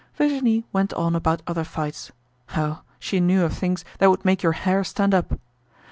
Virginie went on about other fights. Oh, she knew of things that would make your hair stand up.